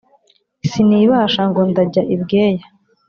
sinibasha ngo ndajya i bweya